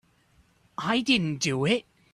I didn't do it.